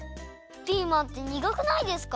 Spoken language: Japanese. ピーマンってにがくないですか？